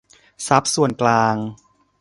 ทรัพย์ส่วนกลาง